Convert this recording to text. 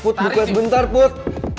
put buka bentar put